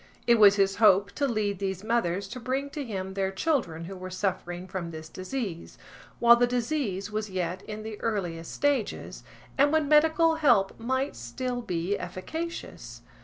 It was his hope to lead these mothers to bring to him their children who were suffering from this disease, while the disease was yet in the earliest stages, and when medical help might still be efficacious.